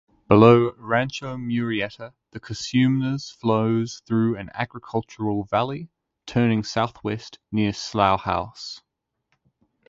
Below Rancho Murieta the Cosumnes flows through an agricultural valley, turning southwest near Sloughhouse.